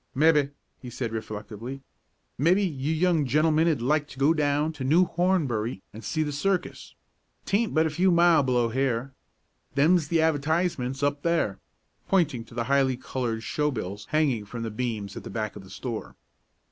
"Mebbe," he said reflectively, "mebbe you young gentlemen'd like to go on down to New Hornbury an' see the circus. 'Taint but a few mile below here. Them's the advertisements up there," pointing to the highly colored show bills hanging from the beams at the back of the store.